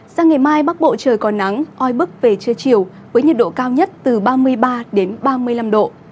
sang ngày mai bắc bộ trời còn nắng oi bức về trưa chiều với nhiệt độ cao nhất từ ba mươi ba đến ba mươi năm độ